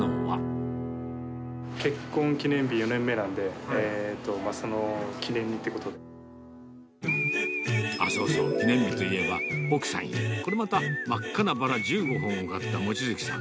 結婚記念日４年目なんで、あっ、そうそう、記念日といえば、奥さんへ、これまた真っ赤なバラ１５本を買った望月さん。